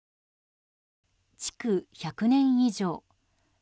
築１００年以上。